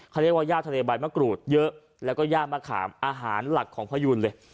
เขาเรียกว่าย่าทะเลใบมะกรูดเยอะแล้วก็ย่ามะขามอาหารหลักของพยูนเลย